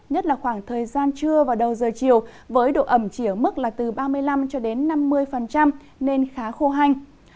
nhất là khoảng thời gian trưa và đầu giờ chiều với độ ẩm chỉ ở mức là từ ba mươi năm cho đến năm mươi nên khá khô hành